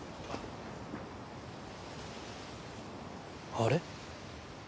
あれ？